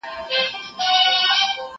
بېله ځنډه به دې یوسي تر خپل کلي